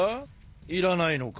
いらないのか？